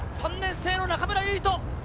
３年生の中村唯翔。